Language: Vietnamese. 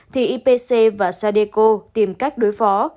nguyễn kim và sadeco tìm cách đối phó